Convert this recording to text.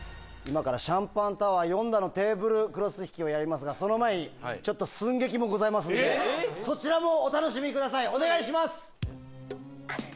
今からシャンパンタワー４段のテーブルクロス引きもやりますが、その前に、ちょっと寸劇もございますんで、そちらもお楽しみください。